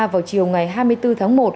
vào chiều ngày hai mươi bốn tháng một